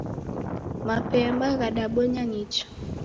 Mapemba ghadabonya nicha